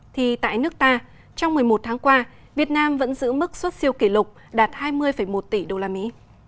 thì tại nước ta trong một mươi một tháng qua việt nam vẫn giữ mức xuất siêu kỷ lục đạt hai mươi một tỷ đô la mỹ